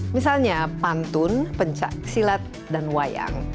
misalnya pantun pencak silat dan wayang